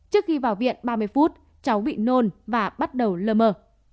trước khi vào viện ba mươi phút cháu bị nôn và bắt đầu lơ mơ